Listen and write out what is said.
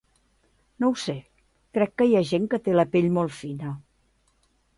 No ho sé, crec que hi ha gent que té la pell molt fina.